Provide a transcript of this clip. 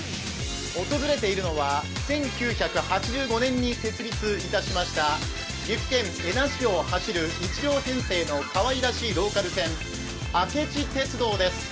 訪れているのは１９８５年に設立いたしました岐阜県恵那市を走る１両編成のかわいらしいローカル線、明知鉄道です。